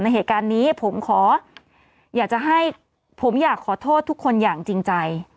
เหตุการณ์นี้ผมขออยากจะให้ผมอยากขอโทษทุกคนอย่างจริงใจ